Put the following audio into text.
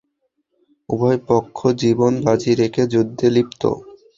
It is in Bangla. উভয় পক্ষ জীবন বাজি রেখে যুদ্ধে লিপ্ত।